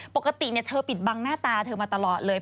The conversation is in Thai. ปกติเธอปิดบังหน้าตาเธอมาตลอดเลย